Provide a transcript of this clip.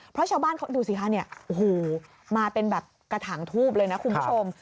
เพราะชาวบ้านเขาดูสิคะเนี่ยโอ้โหมาเป็นแบบกระถางทูบเลยนะคุณผู้ชม